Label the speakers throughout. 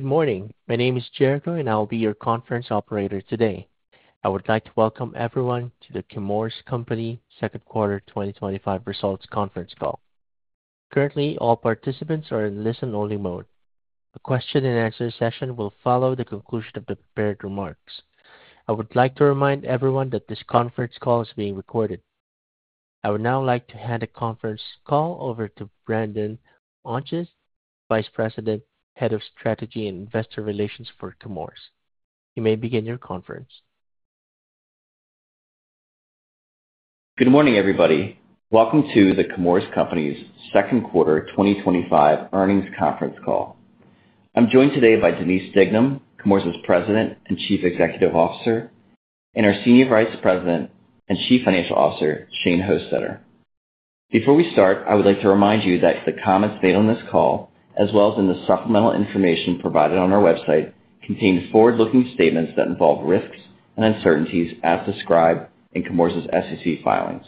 Speaker 1: Good morning, my name is Jericho and I'll be your conference operator today. I would like to welcome everyone to the Chemours Company Second Quarter 2025 Results Conference Call. Currently, all participants are in listen only mode. A question and answer session will follow the conclusion of the prepared remarks. I would like to remind everyone that this conference call is being recorded. I would now like to hand the conference call over to Brandon Ontjes, Vice President, Head of Strategy and Investor Relations for Chemours. You may begin your conference.
Speaker 2: Good morning everybody. Welcome to the Chemours Company's Second Quarter 2025 Earnings Conference Call. I'm joined today by Denise Dignam, Chemours President and Chief Executive Officer, and our Senior Vice President and Chief Financial Officer, Shane Hostetter. Before we start, I would like to remind you that the comments made on this call as well as in the supplemental information provided on our website contain forward looking statements that involve risks and uncertainties as described in Chemours SEC filings.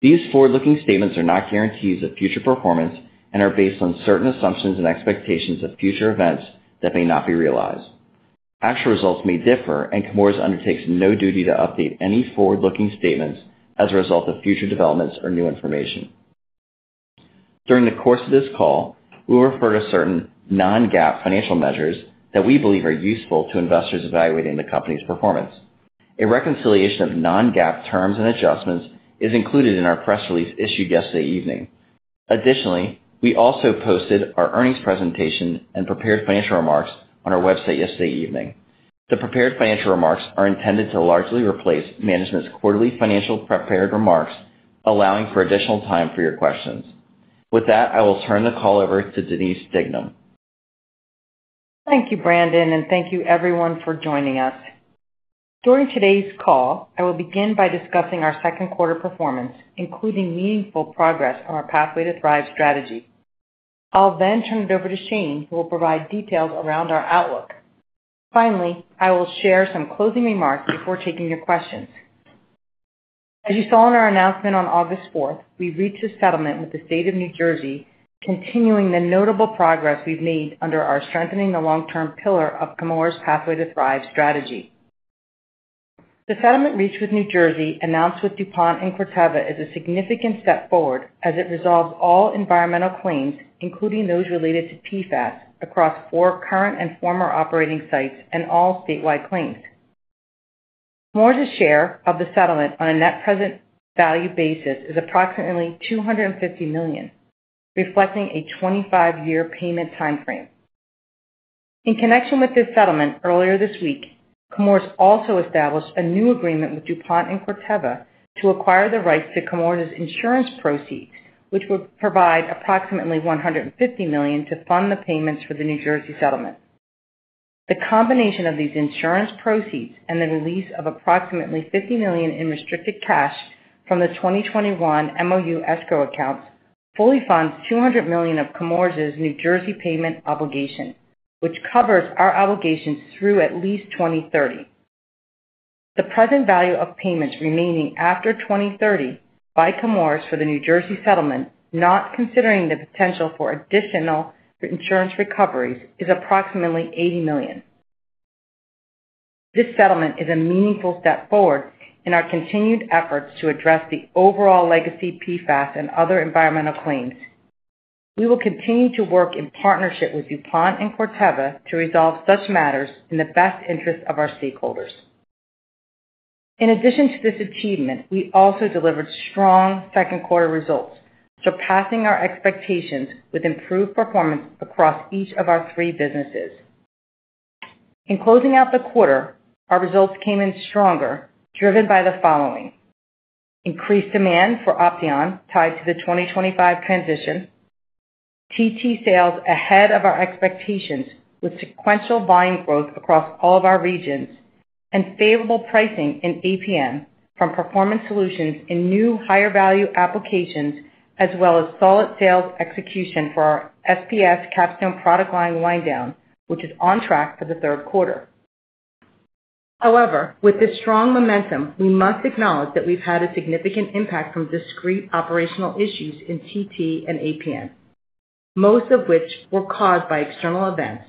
Speaker 2: These forward looking statements are not guarantees of future performance and are based on certain assumptions and expectations of future events that may not be realized. Actual results may differ and Chemours undertakes no duty to update any forward looking statements as a result of future developments or new information. During the course of this call, we will refer to certain non-GAAP financial measures that we believe are useful to investors evaluating the company's performance. A reconciliation of non-GAAP terms and adjustments is included in our press release issued yesterday evening. Additionally, we also posted our earnings presentation and prepared financial remarks on our website yesterday evening. The prepared financial remarks are intended to largely replace management's quarterly financial prepared remarks, allowing for additional time for your questions. With that, I will turn the call over to Denise Dignam.
Speaker 3: Thank you, Brandon, and thank you, everyone, for joining us during today's call. I will begin by discussing our second quarter performance, including meaningful progress on our Pathway to Thrive strategy. I'll then turn it over to Shane, who will provide details around our outlook. Finally, I will share some closing remarks before taking your questions. As you saw in our announcement, on August 4th we reached a settlement with the State of New Jersey, continuing the notable progress we've made under our strengthening the long-term pillar of Chemours' Pathway to Thrive strategy. The settlement reached with New Jersey, announced with DuPont and Corteva, is a significant step forward as it resolves all environmental claims, including those related to PFAS across four current and former operating sites and all statewide claims. Chemours' share of the settlement on a net present value basis is approximately $250 million, reflecting a 25-year payment time frame in connection with this settlement. Earlier this week, Chemours also established a new agreement with DuPont and Corteva to acquire the rights to Chemours' insurance proceeds, which would provide approximately $150 million to fund the payments for the New Jersey settlement. The combination of these insurance proceeds and the release of approximately $50 million in restricted cash from the 2021 MOU escrow accounts fully funds $200 million of Chemours' New Jersey payment obligation, which covers our obligations through at least 2030. The present value of payments remaining after 2030 by Chemours for the New Jersey settlement, not considering the potential for additional insurance recoveries, is approximately $80 million. This settlement is a meaningful step forward in our continued efforts to address the overall legacy PFAS and other environmental claims. We will continue to work in partnership with DuPont and Corteva to resolve such matters in the best interest of our stakeholders. In addition to this achievement, we also delivered strong second quarter results, surpassing our expectations with improved performance across each of our three businesses. In closing out the quarter, our results came in stronger driven by the increased demand for Opteon tied to the 2025 transition, TT sales ahead of our expectations with sequential volume growth across all of our regions, and favorable pricing in APM from performance solutions in new higher value applications as well as solid sales execution for our SPS Capstone product line, which is on track for the third quarter. However, with this strong momentum, we must acknowledge that we've had a significant impact from discrete operational issues in TT and APM, most of which were caused by external events,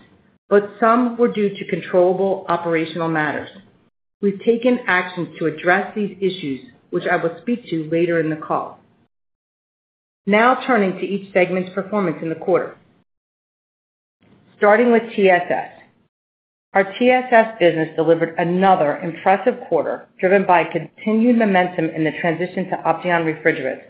Speaker 3: but some were due to controllable operational matters. We've taken action to address these issues, which I will speak to later in the call. Now turning to each segment's performance in the quarter, starting with TSS. Our TSS business delivered another impressive quarter driven by continued momentum in the transition to Opteon refrigerants.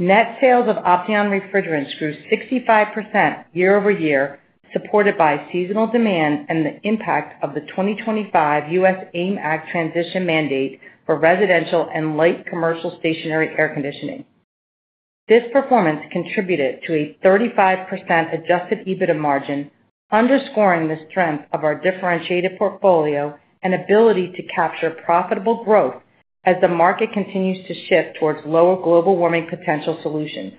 Speaker 3: Net sales of Opteon refrigerants grew 65% year-over-year, supported by seasonal demand and the impact of the 2025 U.S. AIM Act transition mandate for residential and light commercial stationary air conditioning. This performance contributed to a 35% adjusted EBITDA margin, underscoring the strength of our differentiated portfolio and ability to capture profitable growth as the market continues to shift towards lower global warming potential solutions.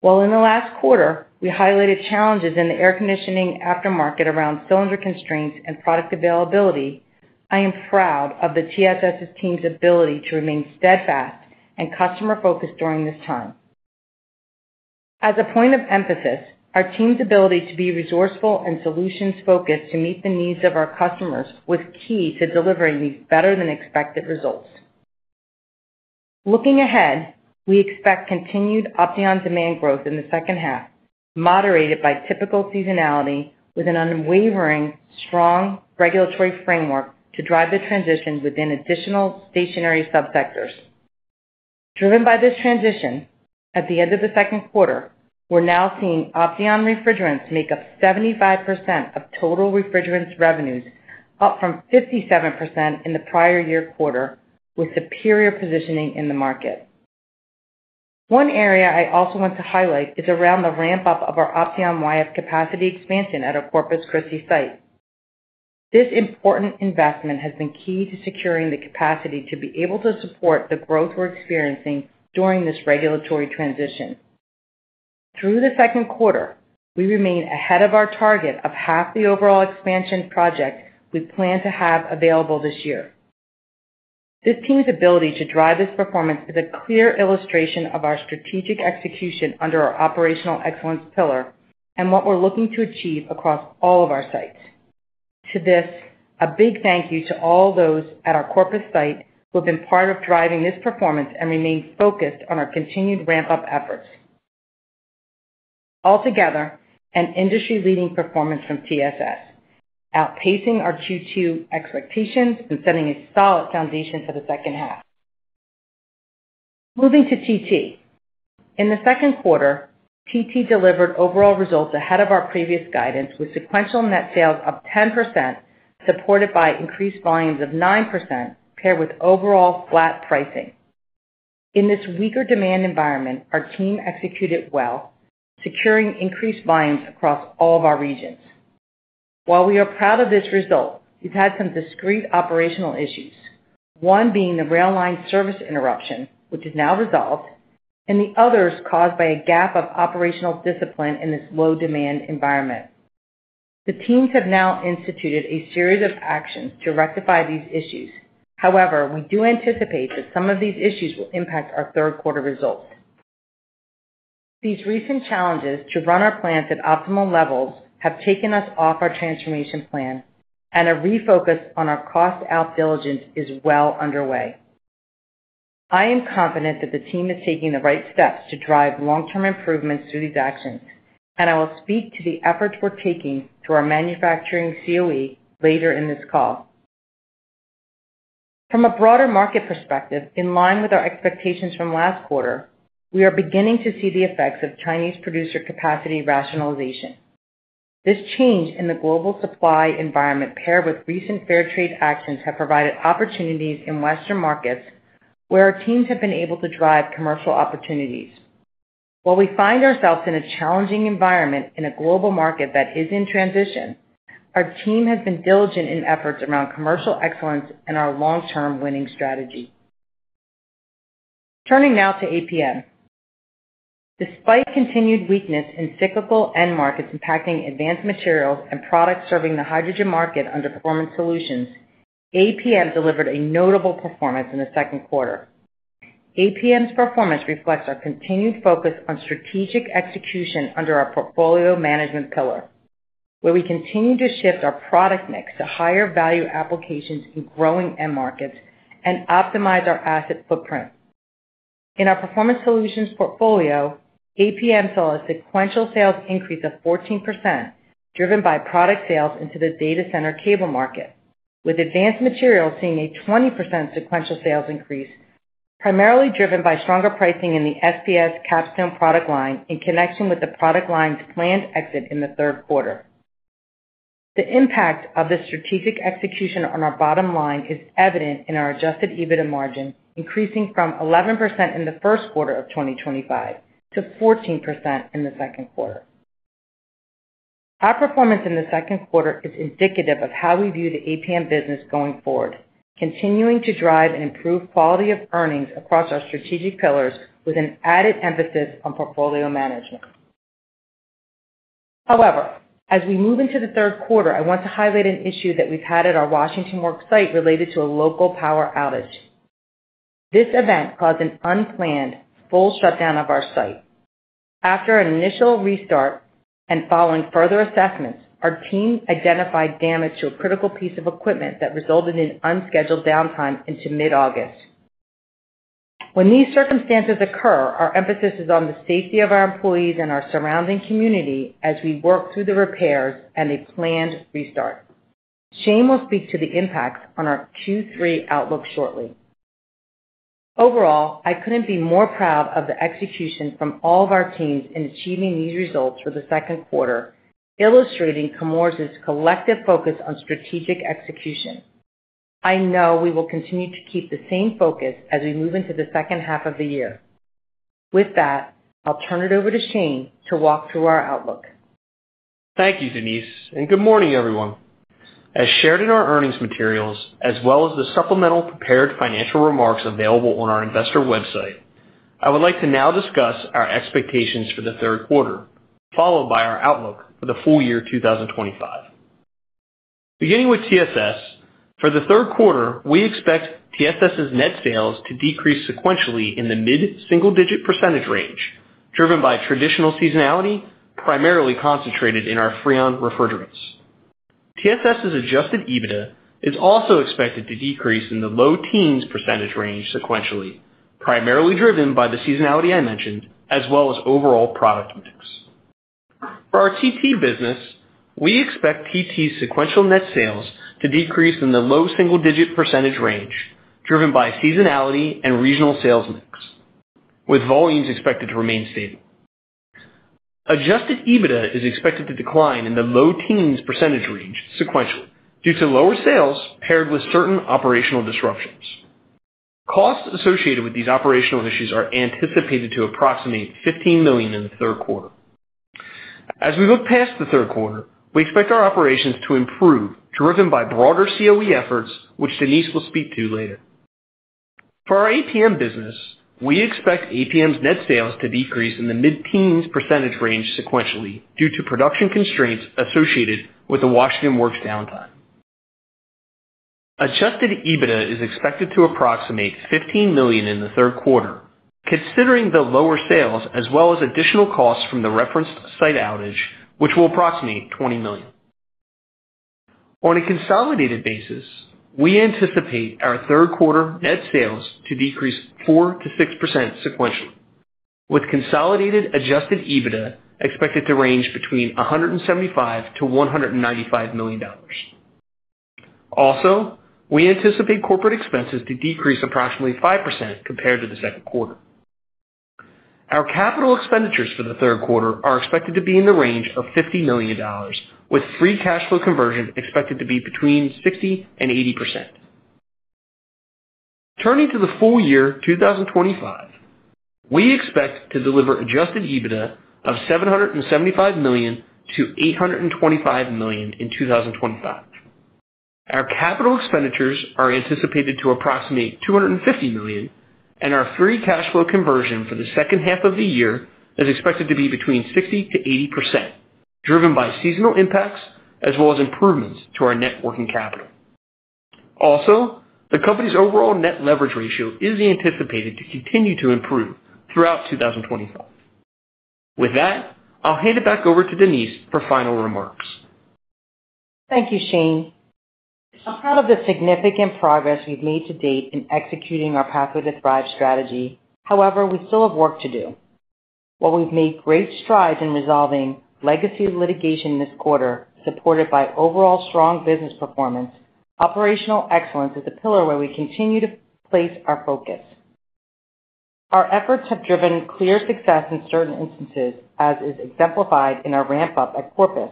Speaker 3: While in the last quarter we highlighted challenges in the air conditioning aftermarket around cylinder constraints and product availability, I am proud of the TSS team's ability to remain steadfast and customer focused during this time. As a point of emphasis, our team's ability to be resourceful and solutions focused to meet the needs of our customers was key to delivering these better than expected results. Looking ahead, we expect continued Opteon demand growth in the second half moderated by typical seasonality with an unwavering strong regulatory framework to drive the transition within additional stationary subsectors. Driven by this transition, at the end of the second quarter, we're now seeing Opteon refrigerants make up 75% of total refrigerants revenues, up from 57% in the prior year quarter with superior positioning in the market. One area I also want to highlight is around the ramp up of our Opteon YF capacity expansion at our Corpus Christi site. This important investment has been key to securing the capacity to be able to support the growth we're experiencing during this regulatory transition. Through the second quarter, we remain ahead of our target of half the overall expansion project we plan to have available this year. This team's ability to drive this performance is a clear illustration of our strategic execution under our Operational Excellence pillar and what we're looking to achieve across all of our sites. To this, a big thank you to all those at our Corpus site who have been part of driving this performance and remain focused on our continued ramp up efforts. Altogether, an industry-leading performance from TSS outpacing our Q2 expectations and setting a solid foundation for the second half. Moving to TT, in the second quarter, TT delivered overall results ahead of our previous guidance with sequential net sales of 10% supported by increased volumes of 9% paired with overall flat pricing. In this weaker demand environment, our team executed well, securing increased volumes across all of our regions. While we are proud of this result, we've had some discrete operational issues, one being the rail line service interruption which is now resolved and the others caused by a gap of operational discipline in this low demand environment. The teams have now instituted a series of actions to rectify these issues. However, we do anticipate that some of these issues will impact our third quarter results. These recent challenges to run our plants at optimal levels have taken us off our transformation plan and a refocus on our cost out diligence is well underway. I am confident that the team is taking the right steps to drive long term improvements through these actions and I will speak to the effort we're taking to our manufacturing CoE later in this call from a broader market perspective. In line with our expectations from last quarter, we are beginning to see the effects of Chinese producer capacity rationalization. This change in the global supply environment paired with recent fair trade actions have provided opportunities in Western markets where our teams have been able to drive commercial opportunities. While we find ourselves in a challenging environment in a global market that is in transition, our team has been diligent in efforts around commercial excellence and our long term winning strategy. Turning now to APM, despite continued weakness in cyclical end markets impacting advanced materials and products serving the hydrogen market under Performance Solutions, APM delivered a notable performance in the second quarter. APM's performance reflects our continued focus on strategic execution under our portfolio management pillar, where we continue to shift our product mix to higher value applications in growing end markets and optimize our asset footprint. In our Performance Solutions portfolio, APM saw a sequential sales increase of 14% driven by product sales into the data center cable market, with advanced materials seeing a 20% sequential sales increase primarily driven by stronger pricing in the SPS Capstone product line in connection with the product line's planned exit in the third quarter. The impact of this strategic execution on our bottom line is evident in our adjusted EBITDA margin, increasing from 11% in the first quarter of 2025 to 14% in the second quarter. Our performance in the second quarter is indicative of how we view the APM business going forward, continuing to drive and improve quality of earnings across our strategic pillars with an added emphasis on portfolio management. However, as we move into the third quarter, I want to highlight an issue that we've had at our Washington Works site related to a local power outage. This event caused an unplanned full shutdown of our site after an initial restart, and following further assessments, our team identified damage to a critical piece of equipment that resulted in unscheduled downtime into mid August. When these circumstances occur, our emphasis is on the safety of our employees and our surrounding community as we work through the repairs and a planned restart. Shane will speak to the impacts on our Q3 outlook shortly. Overall, I couldn't be more proud of the execution from all of our teams in achieving these results for the second quarter, illustrating Chemours' collective focus on strategic execution. I know we will continue to keep the same focus as we move into the second half of the year. With that, I'll turn it over to Shane to walk through our outlook.
Speaker 4: Thank you Denise and good morning everyone. As shared in our earnings materials as well as the supplemental prepared financial remarks available on our investor website, I would like to now discuss our expectations for the third quarter, followed by our outlook for the full year 2025. Beginning with TSS, for the third quarter, we expect TSS's net sales to decrease sequentially in the mid single digit percentage range, driven by traditional seasonality primarily concentrated in our Freon refrigerants. TSS's adjusted EBITDA is also expected to decrease in the low teens percentage range sequentially, primarily driven by the seasonality I mentioned as well as overall product mix. For our TT business, we expect TT's sequential net sales to decrease in the low single digit percentage range, driven by seasonality and regional sales mix, with volumes expected to remain stable. Adjusted EBITDA is expected to decline in the low teens percentage range sequentially due to lower sales paired with certain operational disruptions. Costs associated with these operational issues are anticipated to approximate $15 million in the third quarter. As we look past the third quarter, we expect our operations to improve, driven by broader CoE efforts, which Denise will speak to later. For our APM business, we expect APM's net sales to decrease in the mid teens percentage range sequentially due to production constraints associated with the Washington Works downtime. Adjusted EBITDA is expected to approximate $15 million in the third quarter. Considering the lower sales as well as additional costs from the referenced site outage, which will approximate $20 million on a consolidated basis, we anticipate our third quarter net sales to decrease 4%-6% sequentially, with consolidated adjusted EBITDA expected to range between $175 million-$195 million. Also, we anticipate corporate expenses to decrease approximately 5% compared to the second quarter. Our capital expenditures for the third quarter are expected to be in the range of $50 million, with free cash flow conversion expected to be between 60% and 80%. Turning to the full year 2025, we expect to deliver adjusted EBITDA of $775 million-$825 million in 2025. Our capital expenditures are anticipated to approximate $250 million and our free cash flow conversion for the second half of the year is expected to be between 60%-80%, driven by seasonal impacts as well as improvements to our net working capital. Also, the Company's overall net leverage ratio is anticipated to continue to improve throughout 2025. With that, I'll hand it back over to Denise for final remarks.
Speaker 3: Thank you, Shane. I'm proud of the significant progress we've made to date in executing our Pathway to Thrive strategy. However, we still have work to do. While we've made great strides in resolving legacy litigation this quarter, supported by overall strong business performance, operational excellence is a pillar where we continue to place our focus. Our efforts have driven clear success in certain instances, as is exemplified in our ramp up at Corpus.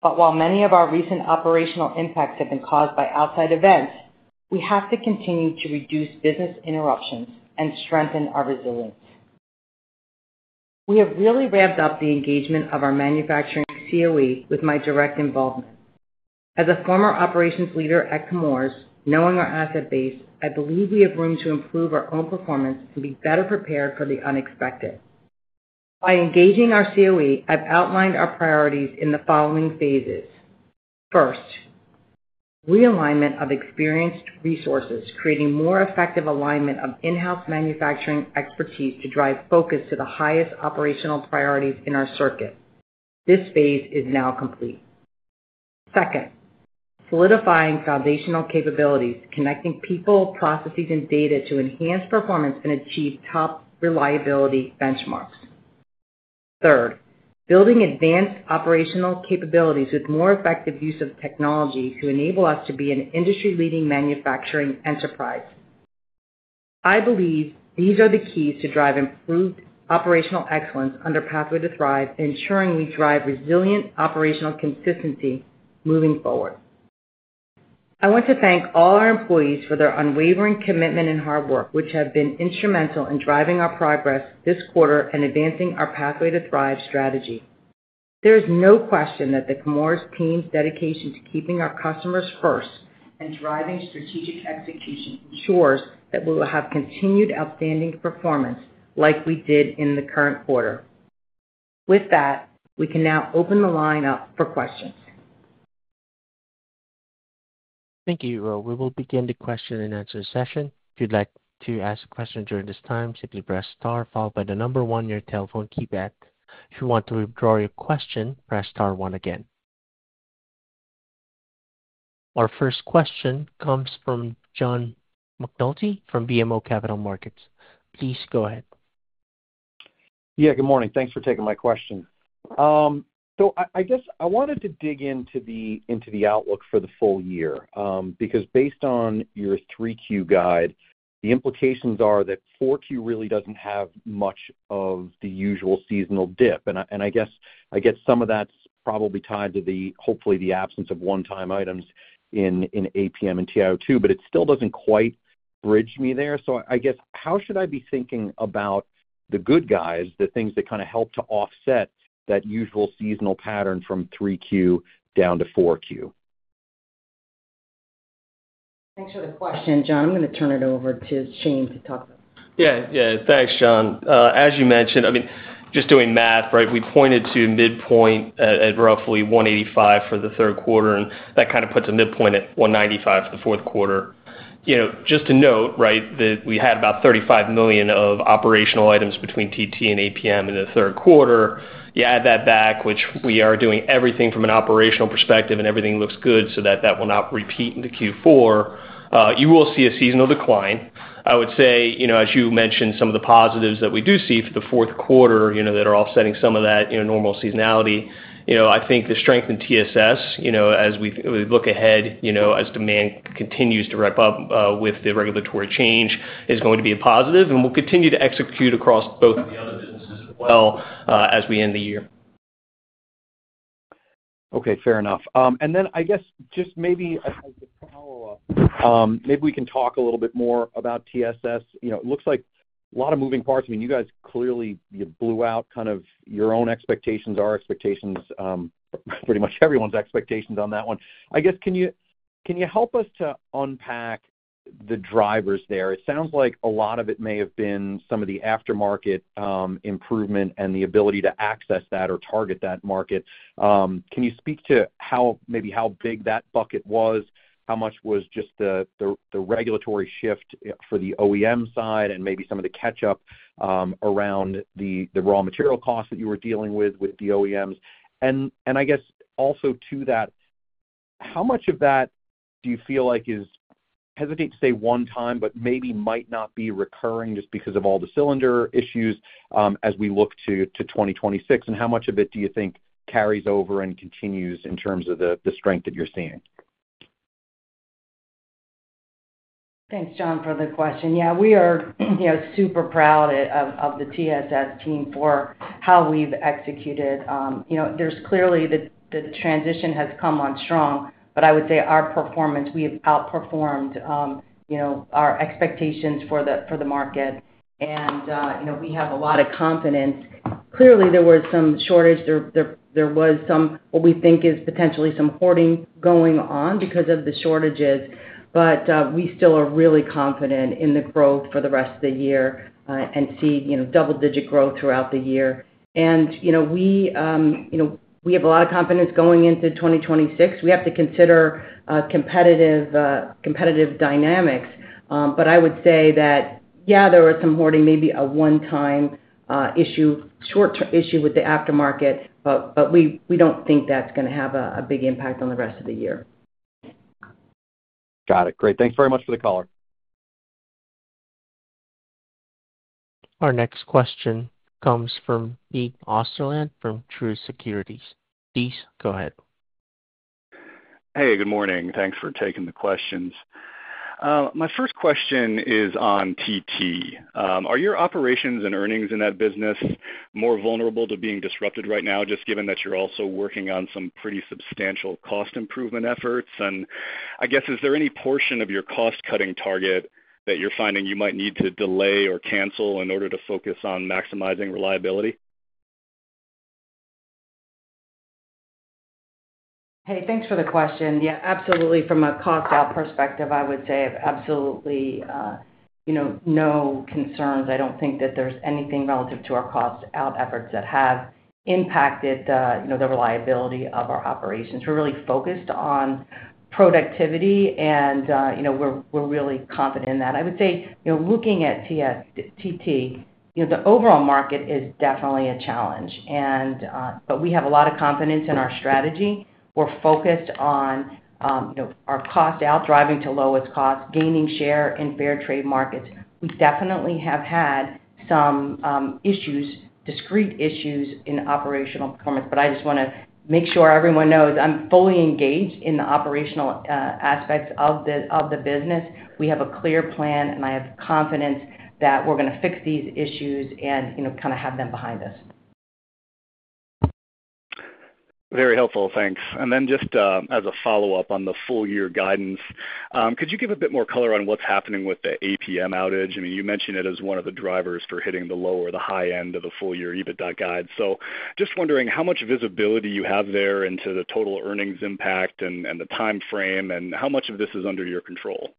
Speaker 3: While many of our recent operational impacts have been caused by outside events, we have to continue to reduce business interruptions and strengthen our resilience. We have really ramped up the engagement of our manufacturing CoE with my direct involvement. As a former operations leader at Chemours, knowing our asset base, I believe we have room to improve our own performance through being better prepared for the unexpected by engaging our CoE. I've outlined our priorities in the following phases. First, realignment of experienced resources, creating more effective alignment of in-house manufacturing expertise to drive focus to the highest operational priorities in our circuit. This phase is now complete. Second, solidifying foundational capabilities, connecting people, processes, and data to enhance performance and achieve top quartile reliability benchmarks. Third, building advanced operational capabilities with more effective use of technology to enable us to be an industry-leading manufacturing enterprise. I believe these are the keys to drive improved operational excellence under Pathway to Thrive, ensuring we drive resilient operational consistency moving forward. I want to thank all our employees for their unwavering commitment and hard work, which have been instrumental in driving our progress this quarter and advancing our Pathway to Thrive strategy. There is no question that the Chemours team's dedication to keeping our customers first and driving strategic execution ensures that we will have continued outstanding performance like we did in the current quarter. With that, we can now open the line up for questions.
Speaker 1: Thank you, Ro. We will begin the question and answer session. If you'd like to ask a question during this time, simply press star followed by the number one on your telephone keypad. If you want to withdraw your question, press star one again. Our first question comes from John McNulty from BMO Capital Markets. Please go ahead.
Speaker 5: Yeah, good morning. Thanks for taking my question. I wanted to dig into the outlook for the full year because based on your 3Q guide, the implications are that 4Q really doesn't have much of the usual seasonal dip. Some of that's probably tied to the, hopefully, the absence of one-time items in APM and TiO2, but it still doesn't quite bridge me there. How should I be thinking about the good guys, the things that kind of help to offset that usual seasonal pattern from 3Q down to 4Q?
Speaker 3: Thanks for the question, John. I'm going to turn it over to Shane to talk about.
Speaker 4: Yeah, yeah, thanks John. As you mentioned, I mean, just doing math, right, we pointed to midpoint at roughly $185 million for the third quarter and that kind of puts a midpoint at $195 million for the fourth quarter. You know, just to note, right, that we had about $35 million of operational items between TT and APM in the third quarter. You add that back, which we are doing everything from an operational perspective and everything looks good. That will not repeat into Q4. You will see a seasonal decline. I would say as you mentioned, some of the positives that we do see for the fourth quarter that are offsetting some of that normal seasonality. I think the strength in TSS as we look ahead as demand continues to ramp up with the regulatory change is going to be a positive and we'll continue to execute across both as we end the year.
Speaker 5: Okay, fair enough. Maybe we can talk a little bit more about TSS. It looks like a lot of moving parts. I mean, you guys clearly blew out kind of your own expectations, our expectations, pretty much everyone's expectations on that one, I guess. Can you help us to unpack the drivers there? It sounds like a lot of it may have been some of the aftermarket improvement and the ability to access that or target that market. Can you speak to how big that bucket was, how much was just the regulatory shift for the OEM side and maybe some of the catch up around the raw material costs that you were dealing with with the OEMs? Also, to that, how much of that do you feel like is, hesitate to say one time, but maybe might not be recurring just because of all the cylinder issues as we look to 2026 and how much of it do you think carries over and continues in terms of the strength that you're seeing?
Speaker 3: Thanks, John, for the question. Yeah, we are super proud of the TSS team for how we've executed. You know, clearly the transition has come on strong, but I would say our performance, we have outperformed, you know, our expectations for that for the market. You know, we have a lot of confidence. Clearly, there was some shortage, there was some, what we think is potentially some hoarding going on because of the shortages, but we still are really confident in the growth for the rest of the year and see double-digit growth throughout the year. We have a lot of confidence going into 2026. We have to consider competitive dynamics. I would say that, yeah, there was some hoarding, maybe a one-time issue, short-term issue with the aftermarket, but we don't think that's going to have a big impact on the rest of the year.
Speaker 5: Got it. Great. Thanks very much for the call.
Speaker 1: Our next question comes from Pete Osterland from Truist Securities. Please, go ahead.
Speaker 6: Hey, good morning. Thanks for taking the questions. My first question is on TT. Are your operations and earnings in that business more vulnerable to being disrupted right now just given that you're also working on some pretty substantial cost improvement efforts, and I guess is there any portion of your cost cutting target that you're finding you might need to delay or cancel in order to focus on maximizing reliability?
Speaker 3: Hey, thanks for the question. Yeah, absolutely. From a cost out perspective, I would say absolutely. No concerns. I don't think that there's anything relative to our cost out efforts that have impacted the reliability of our operations. We're really focused on productivity and we're really confident in that. I would say, looking at TT, the overall market is definitely a challenge, but we have a lot of confidence in our strategy. We're focused on our cost out, driving to lowest cost, gaining share in fair trade markets. We definitely have had some issues, discrete issues in operational performance. I just want to make sure everyone knows I'm fully engaged in the operational aspects of the business. We have a clear plan and I have confidence that we're going to fix these issues and have them behind us.
Speaker 6: Very helpful, thanks. Just as a follow up on the full year guidance, could you give a bit more color on what's happening with the APM outage? You mentioned it as one of the drivers for hitting the low or the high end of the full year EBITDA guide. I am just wondering how much visibility you have there into the total earnings impact and the time frame, and how much of this is under your control.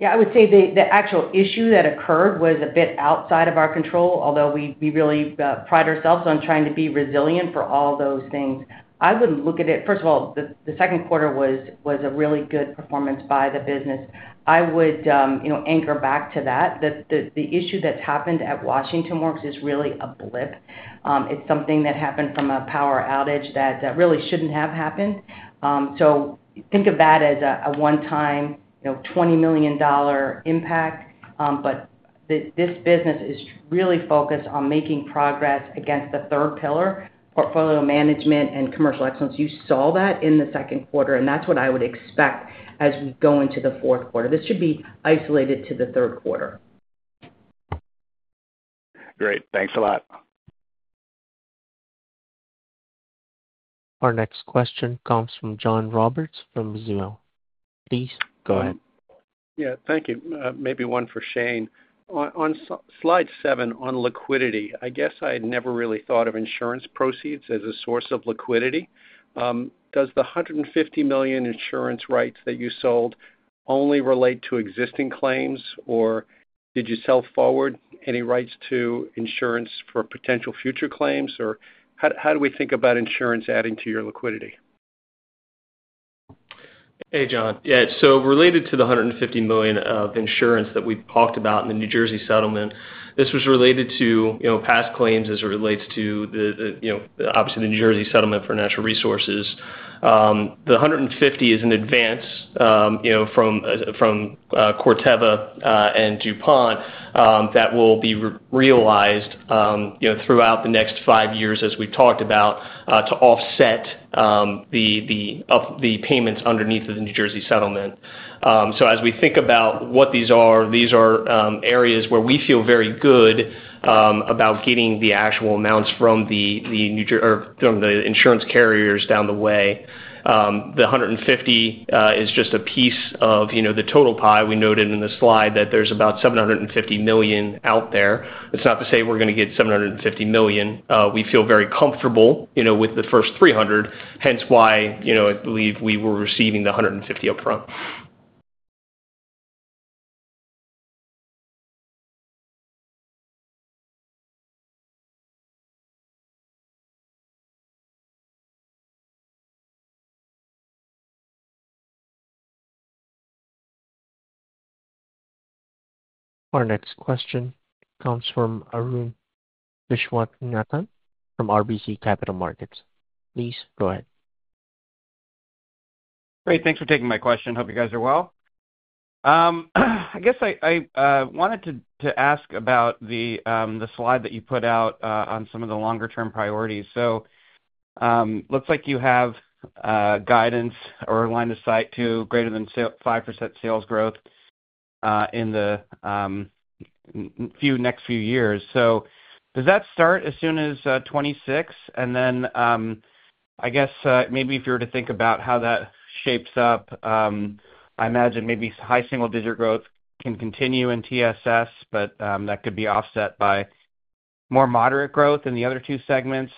Speaker 3: Yeah, I would say the actual issue that occurred was a bit outside of our control. Although we really pride ourselves on trying to be resilient for all those things, I wouldn't look at it. First of all, the second quarter was a really good performance by the business. I would anchor back to that. The issue that's happened at Washington Works is really a blip. It's something that happened from a power outage that really shouldn't have happened. Think of that as a one time $20 million impact. This business is really focused on making progress against the third pillar, portfolio management and commercial excellence. You saw that in the second quarter and that's what I would expect as we go into the fourth quarter. This should be isolated to the third quarter.
Speaker 6: Great, thanks a lot.
Speaker 1: Our next question comes from John Roberts from Mizuho. Please go ahead.
Speaker 7: Yeah, thank you. Maybe one for Shane on slide seven on liquidity. I guess I had never really thought of insurance proceeds as a source of liquidity. Does the $150 million insurance rights that you sold only relate to existing claims or did you sell forward any rights to insurance for potential future claims? Or how do we think about insurance adding to your liquidity?
Speaker 4: Hey John. Yeah. Related to the $150 million of insurance that we talked about in the New Jersey settlement, this was related to past claims as it relates to obviously the New Jersey settlement for natural resources. The $150 million is an advance from Corteva and DuPont that will be realized throughout the next five years as we talked about to offset the payments underneath the New Jersey settlement. As we think about what these are, these are areas where we feel very good about getting the actual amounts from the insurance carriers down the way. The $150 million is just a piece of the total pie. We noted in the slide that there's about $750 million out there. It's not to say we're going to get $750 million. We feel very comfortable with the first $300 million, hence why I believe we were receiving the $150 million upfront.
Speaker 1: Our next question comes from Arun Viswanathan from RBC Capital Markets. Please go ahead.
Speaker 8: Great. Thanks for taking my question. Hope you guys are well. I guess I wanted to ask about the slide that you put out on some of the longer term priorities. It looks like you have guidance or line of sight to greater than 5% sales growth in the next few years. Does that start as soon as 2026, and then I guess maybe if you were to think about how that shapes up, I imagine maybe high single digit growth can continue in TSS, but that could be offset by more moderate growth in the other two segments.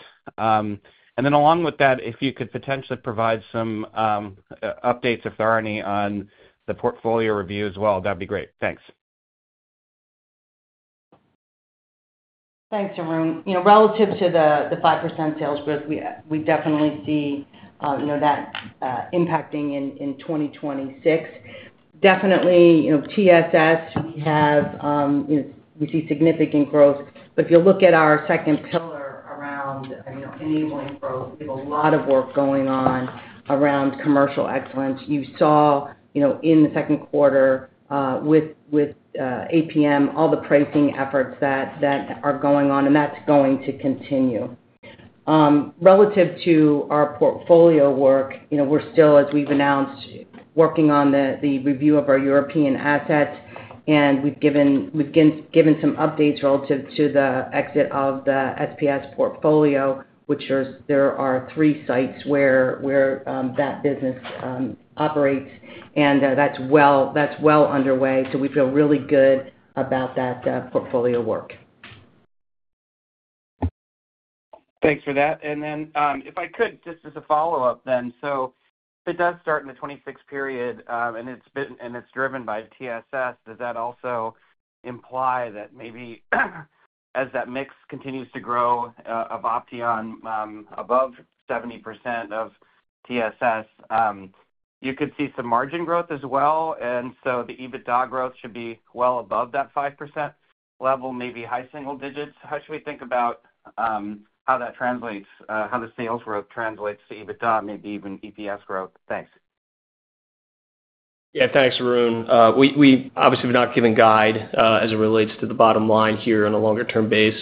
Speaker 8: Along with that, if you could potentially provide some updates, if there are any, on the portfolio review as well, that'd be great. Thanks.
Speaker 3: Thanks, Arun. Relative to the 5% sales growth, we definitely see that impacting in 2026. Definitely, you know, TSS, we see significant growth. If you look at our second pillar, a lot of work is going on around commercial excellence. You saw in the second quarter with APM, all the pricing efforts that are going on, and that's going to continue relative to our portfolio work. We're still, as we've announced, working on the review of our European assets, and we've given some updates relative to the exit of the SPS portfolio, which has three sites where that business operates, and that's well underway. We feel really good about that portfolio work.
Speaker 8: Thanks for that. If I could just ask. A follow-up then. It does start in 2026. Period and it's been and it's driven by TSS. Does that also imply that maybe as that mix continues to grow of Opteon above 70% of TSS, you could see some margin growth as well and so the EBITDA growth should be well above that 5% level, maybe high single digits. How should we think about how that translates, how the sales growth translates to EBITDA, maybe even EPS growth. Thanks.
Speaker 4: Yeah, thanks Arun. We obviously have not given guide as it relates to the bottom line here on a longer term base.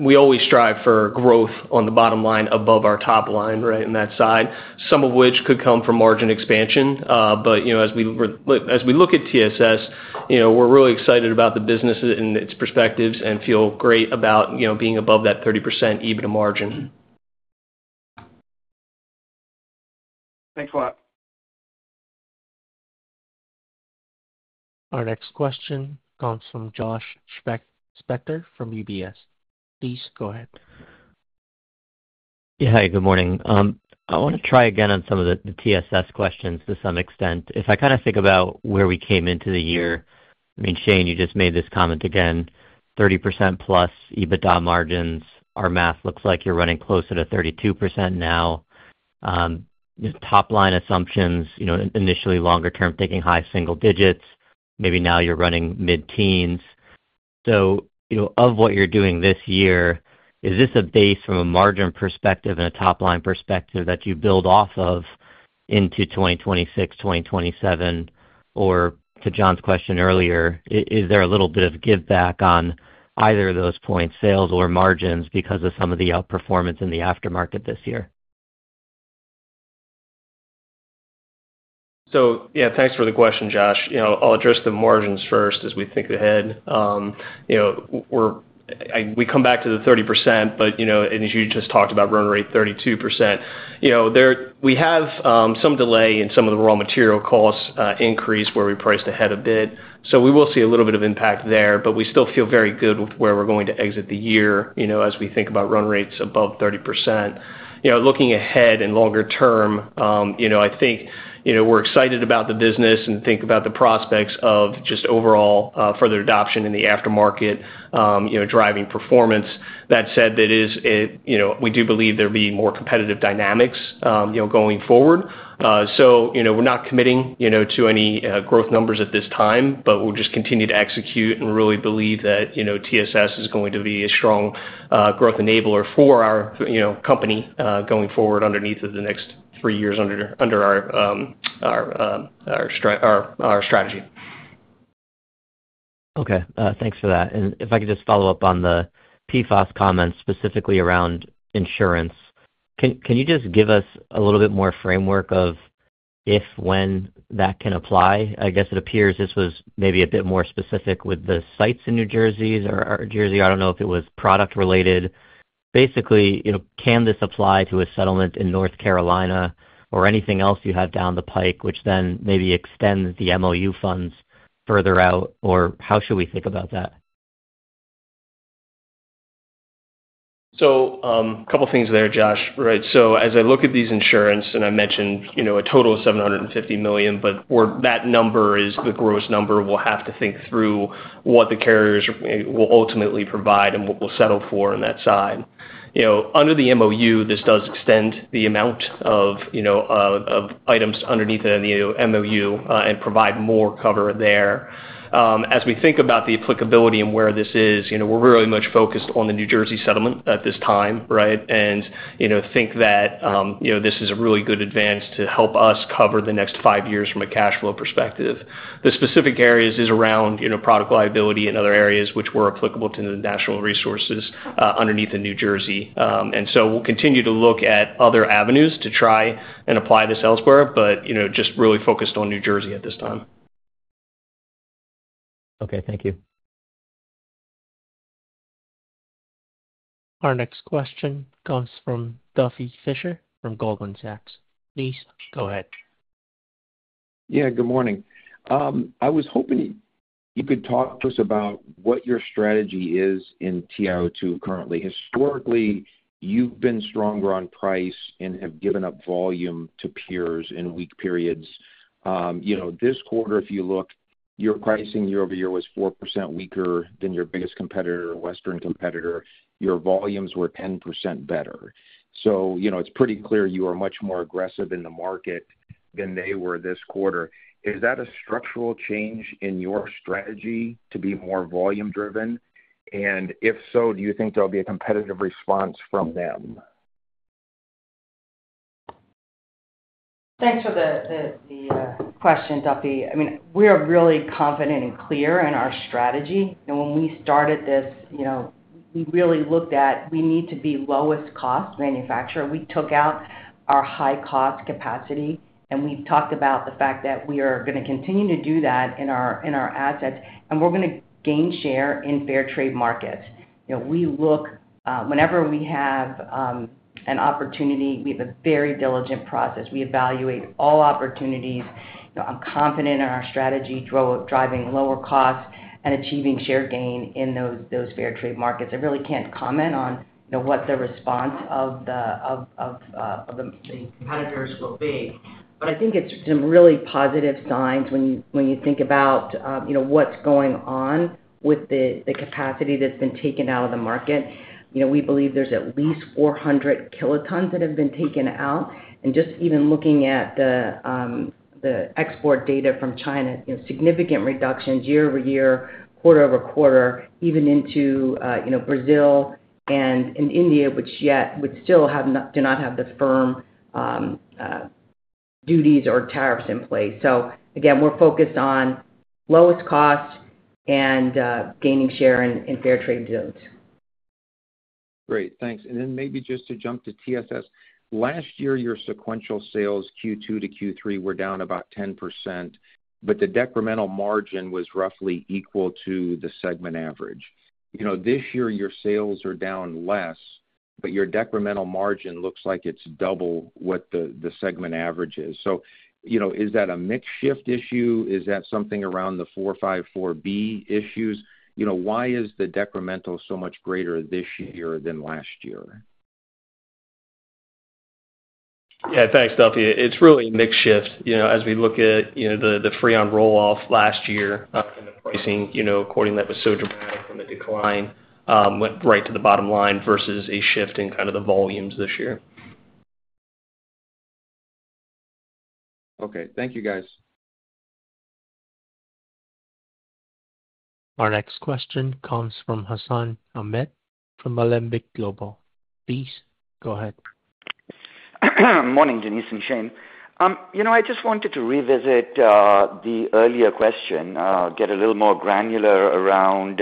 Speaker 4: We always strive for growth on the bottom line above our top line, right on that side. Some of which could come from margin expansion. As we look at TSS, you know, we're really excited about the business and its perspectives and feel great about, you know, being above that 30% EBITDA margin.
Speaker 8: Thanks a lot.
Speaker 1: Our next question comes from Josh Spector from UBS. Please go ahead.
Speaker 9: Hi, good morning. I want to try again on some of the TSS questions. To some extent if I kind of think about where we came into the year, I mean Shane, you just made this comment again. 30%+ EBITDA margins, our math looks like you're running closer to 32% now. Top line assumptions initially, longer term thinking high single digits maybe now you're running mid teens. Of what you're doing this year is this a base from a margin perspective and a top line perspective that you build off of into 2026, 2027 or to John's question earlier, is there a little bit of give back on either of those points sales or margins because of some of the outperformance in the aftermarket this year.
Speaker 4: Thanks for the question, Josh. I'll address the margins first. As we think ahead, we come back to the 30% but as you just talked about run rate 32% we have some delay in some of the raw material costs increase where we priced ahead a bit, we will see a little bit of impact there. We still feel very good with where we're going to exit the year. As we think about run rates above 30% looking ahead and longer term, I think we're excited about the business and think about the prospects of just overall further adoption in the aftermarket driving performance. That said, we do believe there'll be more competitive dynamics going forward. We're not committing to any growth numbers at this time, but we'll just continue to execute and really believe that TSS is going to be a strong growth enabler for our company going forward underneath the next three years under our strategy.
Speaker 9: Okay, thanks for that. If I could just follow up on the PFAS comments specifically around insurance. Can you just give us a little bit more framework of if, when that can apply? I guess it appears this was maybe a bit more specific with the sites in New Jersey or Jersey. I don't know if it was product related, basically. Can this apply to a settlement in North Carolina or anything else you have down the pike, which then maybe extend the MOU funds further out or how should we think about that?
Speaker 4: A couple things there, Josh. As I look at these insurance and I mentioned a total of $750 million, but that number is the gross number. We'll have to think through what the carriers will ultimately provide and what we'll settle for on that side. Under the MOU, this does extend the amount of items underneath the MOU and provide more cover there. As we think about the applicability and where this is, we're very much focused on the New Jersey settlement at this time. We think that this is a really good advance to help us cover the next five years from a cash flow perspective. The specific areas are around product liability and other areas which were applicable to the national resources underneath in New Jersey. We'll continue to look at other avenues to try and apply this elsewhere, but just really focused on New Jersey at this time.
Speaker 9: Okay, thank you.
Speaker 1: Our next question comes from Duffy Fischer from Goldman Sachs. Nice. Go ahead.
Speaker 10: Yeah, good morning. I was hoping you could talk to us about what your strategy is in TiO2 currently. Historically, you've been stronger on price and have given up volume to peers in weak periods. This quarter, if you look, your pricing year-over-year was 4% weaker than your biggest Western competitor. Your volumes were 10% better. It's pretty clear you are much more aggressive in the market than they were this quarter. Is that a structural change in your strategy to be more volume driven? If so, do you think there'll be a competitive response from them?
Speaker 3: Thanks for the question, Duffy. I mean, we are really confident and clear in our strategy and when we started this, you know, we really looked at we need to be lowest cost manufacturer. We took out our high cost capacity and we talked about the fact that we are going to continue to do that in our assets and we're going to gain share in fair trade markets. You know, we look whenever we have an opportunity, we have a very diligent process. We evaluate all opportunities. I'm confident in our strategy driving lower costs and achieving share gain in those fair trade markets. I really can't comment on what the response of the competitors will be, but I think it's some really positive signs when you think about, you know, what's going on with the capacity that's been taken out of the market. We believe there's at least 400 kilotons that have been taken out. Just even looking at the export data from China, significant reductions year-over-year, quarter-over-quarter, even into Brazil and India, which yet would still not have the firm duties or tariffs in place. Again, we're focused on lowest cost and gaining share in fair trade zones.
Speaker 10: Great, thanks. Maybe just to jump to TSS, last year your sequential sales Q2 to Q3 were down about 10% but the decremental margin was roughly equal to the segment average. This year your sales are down less but your decremental margin looks like it's double what the segment average is. Is that a mix shift issue? Is that something around the 454B issues? Why is the decremental so much greater this year than last year?
Speaker 4: Yeah, thanks Duffy. It's really mix shift. As we look at the Freon roll off last year, that was so dramatic from the decline, it went right to the bottom line versus a shift in the volumes this year.
Speaker 10: Okay, thank you guys.
Speaker 1: Our next question comes from Hassan Ahmed from Alembic Global. Please go ahead.
Speaker 11: Morning Denise and Shane. I just wanted to revisit the earlier question, get a little more granular around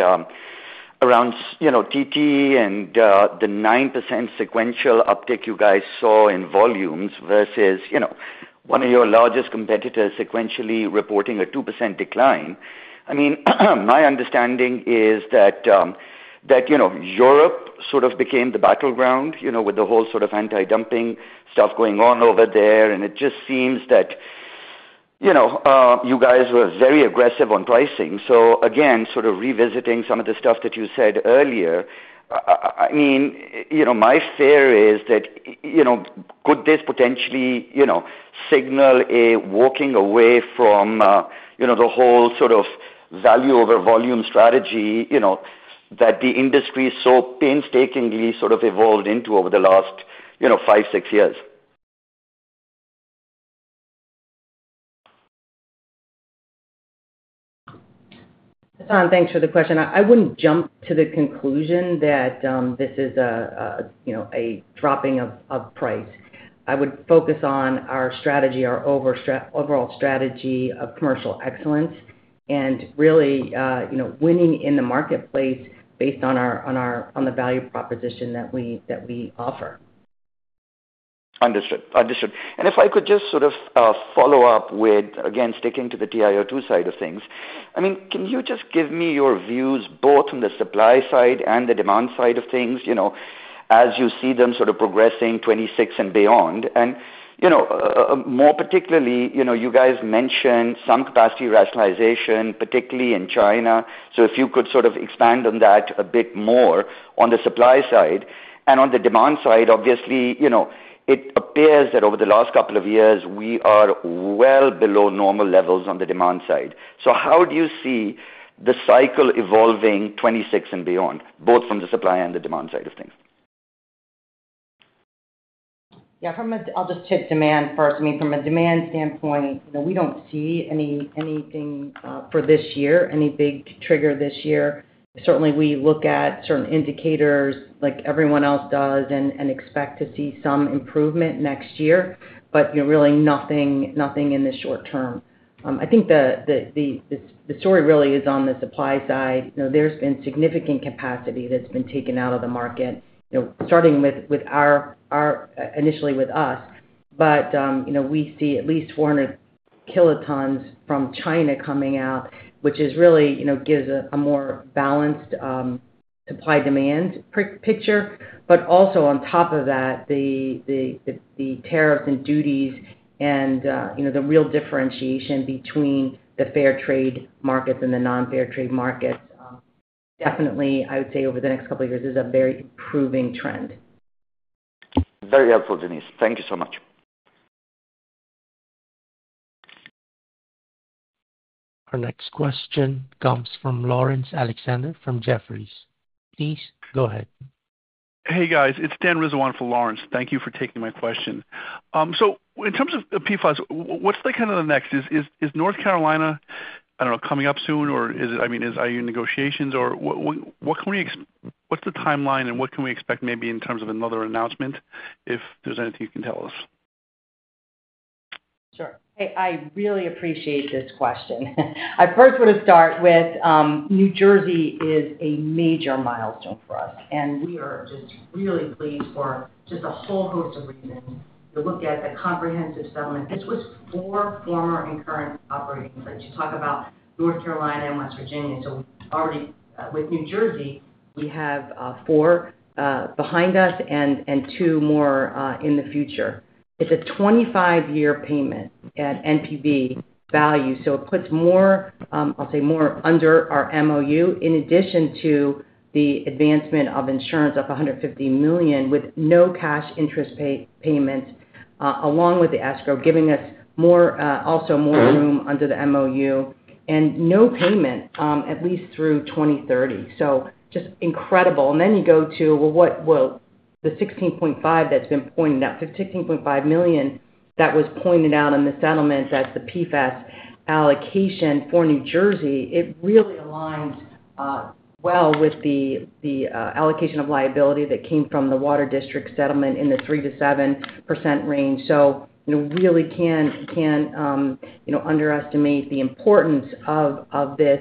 Speaker 11: TT and the 9% sequential uptick you guys saw in volume as one of your largest competitors sequentially reported a 2% decline. My understanding is that Europe sort of became the battleground with the whole anti-dumping stuff going on over there. It just seems that you guys were very aggressive on pricing. Again, revisiting some of the stuff that you said earlier, my fear is that could this potentially signal a walking away from the whole value over volume strategy that the industry so painstakingly evolved into over the last five, six years.
Speaker 3: Thanks for the question. I wouldn't jump to the conclusion that this is, you know, a dropping of price. I would focus on our overall strategy of commercial excellence and really, you know, winning in the marketplace based on our, on the value proposition that we offer.
Speaker 11: Understood. If I could just sort of follow up with again, sticking to the TiO2 side of things. Can you just give me. Your views both on the supply side and the demand side of things, as you see them sort of progressing 2016 and beyond. More particularly, you guys mentioned some capacity rationalization, particularly in China. If you could expand on that a bit more on the supply side and on the demand side, obviously it appears that over the last couple of years we are well below normal levels on the demand side. How do you see the cycle evolving 2026 and beyond both from the supply and the demand side of things?
Speaker 3: Yeah, I'll just tip demand first. I mean, from a demand standpoint, we don't see anything for this year, any big trigger this year. Certainly, we look at certain indicators like everyone else does and expect to see some improvement next year. You know, really nothing in the short term. I think the story really is on the supply side. There's been significant capacity that's been taken out of the market, starting initially with us. We see at least 400 kilotons from China coming out, which really gives a more balanced supply-demand picture. Also, on top of that, the tariffs and duties and the real differentiation between the fair trade markets and the non-fair trade market definitely, I would say, over the next couple of years is a very proving trend.
Speaker 11: Very helpful, Denise. Thank you so much.
Speaker 1: Our next question comes from Lawrence Alexander from Jefferies. Please go ahead.
Speaker 12: Hey guys, it's Dan Rizzo on for Lawrence. Thank you for taking my question. In terms of PFAS, what's the kind of the next. Is North Carolina, I don't know, coming up soon or is it, I mean are you negotiations or what can we, what's the timeline and what can we expect maybe in terms of another announcement? If there's anything you can tell us.
Speaker 3: Sure. I really appreciate this question. I first want to start with New Jersey is a major milestone for us, and we are just really pleased for just a whole host of reasons to look at the comprehensive settlement. This was for former and current operating complaints. You talk about North Carolina and West Virginia. Already with New Jersey, we have four behind us and two more in the future. It's a 25-year payment at net present value. It puts more, I'll say, more under our MOU in addition to the advancement of insurance of $150 million with no cash interest payments along with the escrow, giving us more, also more room under the MOU and no payment at least through 2030. Just incredible. You go to what the $16.5 million that's been pointed out, $16.5 million that was pointed out in the settlement. That's the PFAS allocation for New Jersey. It really aligned well with the allocation of liability that came from the water district settlement in the 3%-7%. Really can't underestimate the importance of this.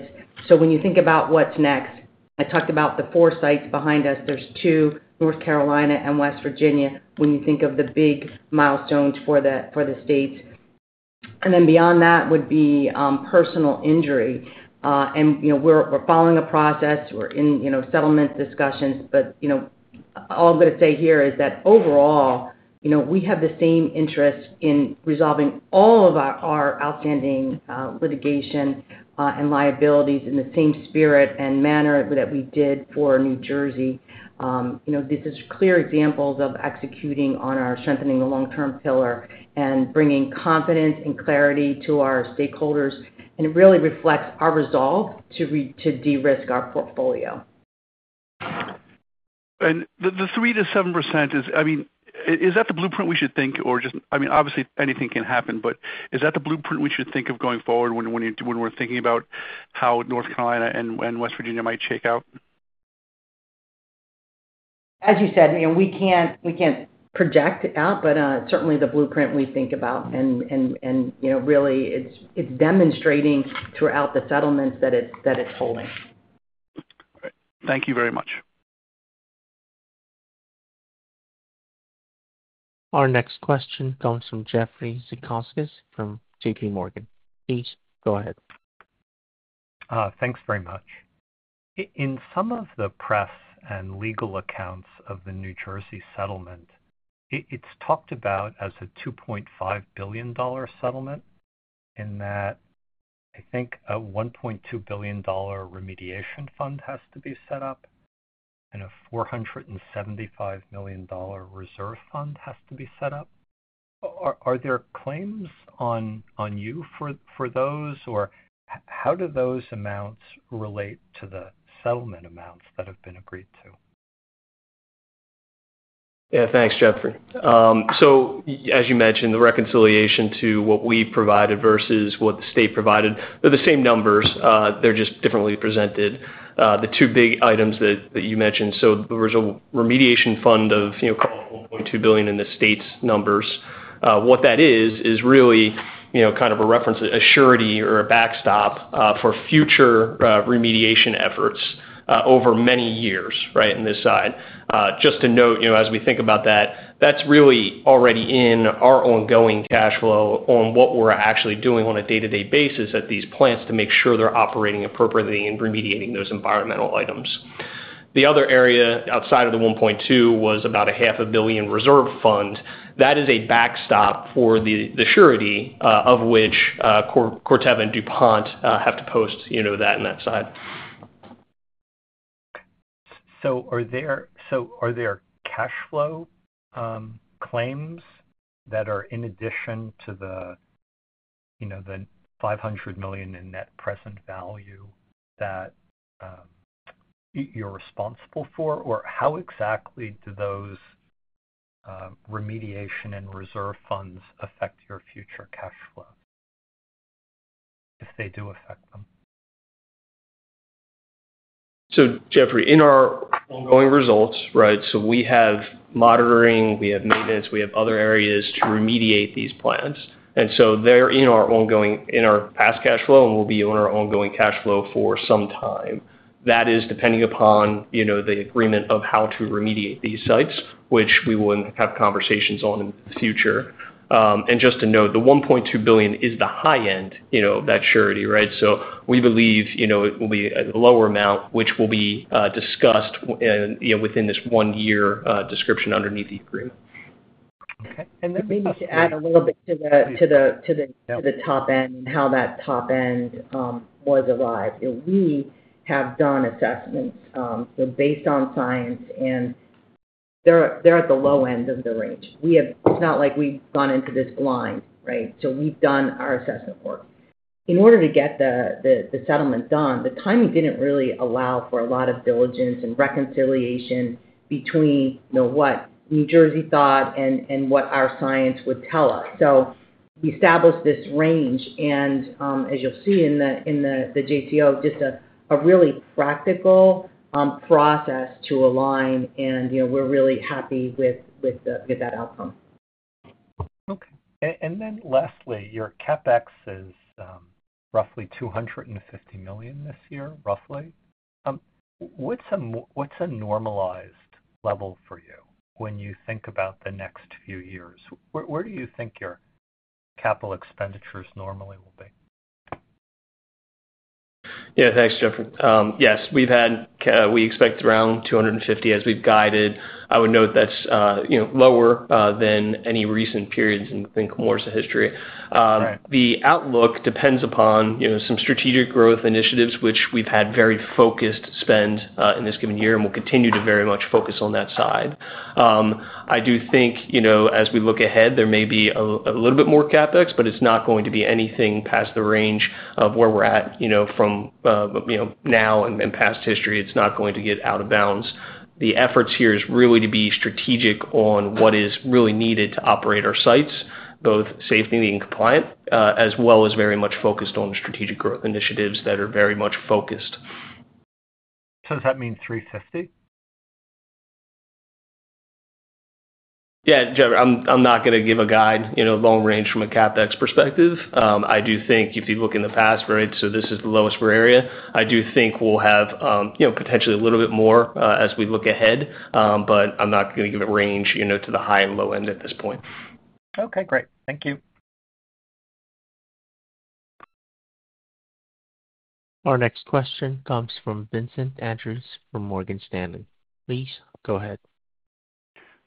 Speaker 3: When you think about what's next, I talked about the four sites behind us. There's two, North Carolina and West Virginia. When you think of the big milestones for the states, and then beyond that would be personal injury. We're following a process or in settlement discussions. All I'm going to say here is that overall, we have the same interest in resolving all of our outstanding litigation and liabilities in the same spirit and manner that we did for New Jersey. This is clear examples of executing on our strengthening the long-term pillar and bringing confidence and clarity to our stakeholders. It really reflects our resolve to de-risk our portfolio.
Speaker 12: The 3%-7% is, I mean, is that the blueprint we should think or just, I mean, obviously anything can happen. Is that the blueprint we should think of going forward when we're thinking about how North Carolina and West Virginia might shake out?
Speaker 3: As you said, we can't project out. Certainly, the blueprint we think about, and really it's demonstrating throughout the settlements that it's holding.
Speaker 12: Thank you very much.
Speaker 1: Our next question comes from Jeffrey Zekauskas from JPMorgan. Please go ahead.
Speaker 13: Thanks very much. In some of the press and legal accounts of the New Jersey settlement, it's talked about as a $2.5 billion settlement in that I think a $1.2 billion remediation fund has to be set up and a $475 million reserve fund has to be set up. Are there claims on you for those or how do those amounts relate to the settlement amounts that have been agreed to?
Speaker 4: Yeah, thanks, Jeffrey. As you mentioned, the reconciliation to what we provided versus what the State provided, they're the same numbers, they're just differently presented. The two big items that you mentioned, there was a remediation fund of, call it, $1.2 billion in the state's numbers. What that is is really kind of a reference, a surety or a backstop for future remediation efforts over many years. Right. On this side, just to note as we think about that, that's really already in our ongoing cash flow on what we're actually doing on a day-to-day basis at these plants to make sure they're operating appropriately and remediating those environmental items. The other area outside of the $1.2 billion was about a half a billion reserve fund that is a backstop for the surety, of which Corteva and DuPont have to post that on that side.
Speaker 13: Are there cash flow claims that are in addition to the, you know, the $500 million in net present value that you're responsible for? Or how exactly do those remediation and reserve funds affect your future cash flow if they do affect them?
Speaker 4: Jeffrey, in our ongoing results, we have monitoring, we have maintenance, we have other areas to remediate these plants. They're in our ongoing, in our past cash flow and will be in our ongoing cash flow for some time. That is depending upon the agreement of how to remediate these sites, which we will have conversations on in the future. Just to note, the $1.2 billion is the high end, you know, that surety. We believe it will be a lower amount, which will be discussed within this one-year description underneath the agreement.
Speaker 3: To add a little bit to the top end, how that top end was arrived. We have done assessment based on science and they're at the low end of the range. It's not like we've gone into this blind, right. We have done our assessment work in order to get the settlement done. The timing didn't really allow for a lot of diligence and reconciliation between what New Jersey thought and what our science would tell us. We established this range and as you'll see in the JCO, just a really practical process to align and we're really happy with that outcome.
Speaker 13: Okay, and then lastly, your CapEx is roughly $250 million this year. Roughly. What's a normalized level for you when you think about the next few years? Where do you think your capital expenditures normally will be?
Speaker 4: Yeah, thanks, Jeffrey. Yes, we expect around $250 million as we've guided. I would note that's lower than any recent periods in, think more as a history. The outlook depends upon some strategic growth initiatives which we've had very focused spend in this given year and we'll continue to very much focus on that side. I do think as we look ahead there may be a little bit more CapEx, but it's not going to be anything past the range of where we're at from now and past history. It's not going to get out of bounds. The efforts here is really to be strategic on what is really needed to operate our sites, both safe and compliant as well as very much focused on strategic growth initiatives that are very much focused.
Speaker 13: Does that mean $350 million?
Speaker 4: Yeah. I'm not going to give a guide, you know, long range from a CapEx perspective. I do think if you look in the past. Right. This is the lowest area. I do think we'll have, you know, potentially a little bit more as we look ahead but I'm not going to give a range, you know, to the high and low end at this point.
Speaker 13: Okay, great. Thank you.
Speaker 1: Our next question comes from Vincent Andrews from Morgan Stanley. Please go ahead.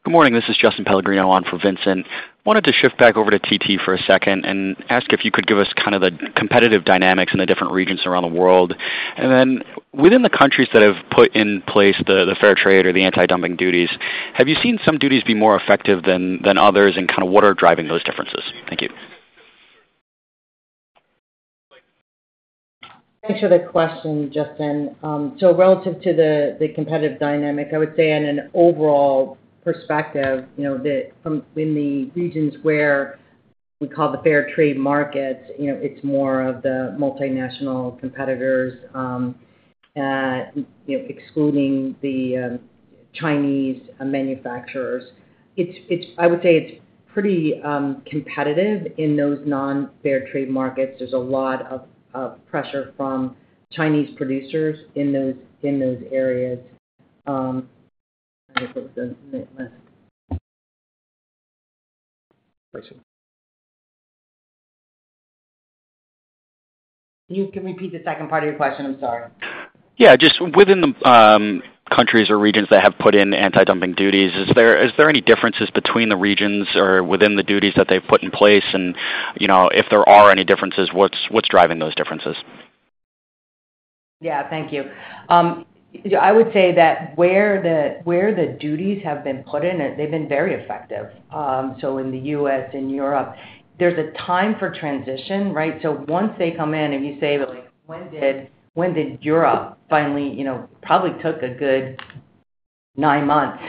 Speaker 14: Good morning, this is Justin Pellegrino on for Vincent. Wanted to shift back over to TT for a second and ask if you could give us kind of the competitive dynamics in the different regions around the world, and then within the countries that have put in place the fair trade or the anti-dumping duties. Have you seen some duties be more effective than others, and kind of what are driving those differences? Thank you.
Speaker 3: Thanks for the question, Justin. Relative to the competitive dynamic, I would say in an overall perspective, in the regions where we call the fair trade markets, it's more of the multinational competitors. You know. Excluding the Chinese manufacturers, I would say it's pretty competitive in those non fair trade markets. There's a lot of pressure from Chinese producers in those areas. Could you repeat the second part of your question? I'm sorry.
Speaker 14: Yeah, just within the countries or regions that have put in anti-dumping duties, is there any differences between the regions or within the duties that they put in place, and if there are any differences, what's driving those differences?
Speaker 3: Yeah, thank you. I would say that where the duties have been put in, they've been very effective. In the U.S. and Europe, there's a time for transition. Right. Once they come in, have you, when did Dura finally, you know, probably took a good nine months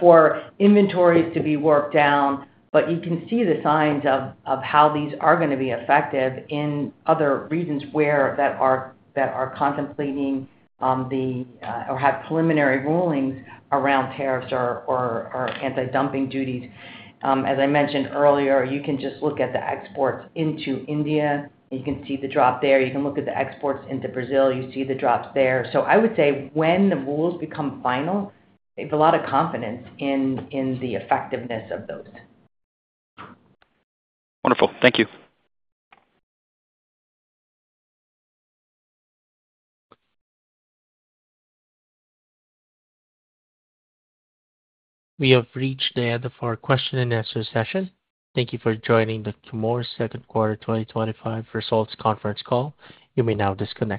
Speaker 3: for inventories to be worked down. You can see the signs of how these are going to be effective in other regions that are contemplating or have preliminary rulings around tariffs or anti-dumping duties. As I mentioned earlier, you can just look at the exports into India, you can see the drop there. You can look at the exports into Brazil, you see the drops there. I would say when the rules become final, there's a lot of confidence in the effectiveness of those.
Speaker 14: Wonderful. Thank you.
Speaker 1: We have reached the end of our question and answer session. Thank you for joining the Chemours Second Quarter 2025 Results Conference Call. You may now disconnect.